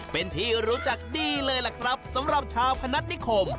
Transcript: เป็นที่รู้จักดีเลยล่ะครับสำหรับชาวพนัฐนิคม